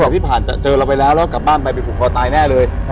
ที่ผ่านมาเจอเราไปแล้วแล้วกลับบ้านไปไปผูกคอตายแน่เลย